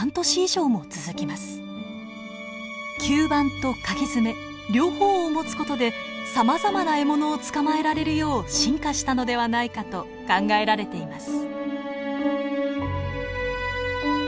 吸盤とかぎ爪両方を持つ事でさまざまな獲物を捕まえられるよう進化したのではないかと考えられています。